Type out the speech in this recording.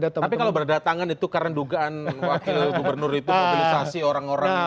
tapi kalau berdatangan itu karena dugaan wakil gubernur itu mobilisasi orang orang